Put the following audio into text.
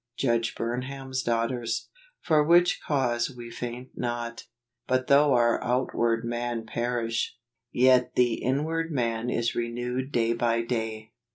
Judge Burnham's Daughters. " For which cause we faint not; hut though our outward man perish, yet the inward man is renewed day by day."